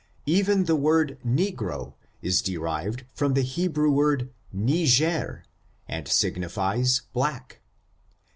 Even the word negro, is derived from the Hebrew word Niger, and signifies black.